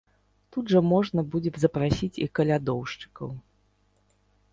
Тут жа можна будзе запрасіць і калядоўшчыкаў.